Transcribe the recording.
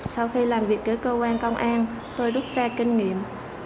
sau khi làm việc với cơ quan công an tôi rút ra kinh nghiệm